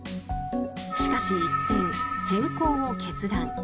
しかし一転、変更を決断。